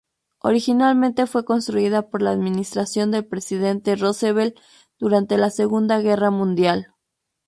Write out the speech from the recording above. Originalmente fue construida por la Administración del presidente Roosevelt durante la Segunda Guerra Mundial.